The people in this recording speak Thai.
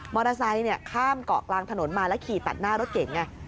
มอเตอร์ไซค์ข้ามเกาะกลางถนนมาแล้วขี่ตัดหน้ารถเก่ง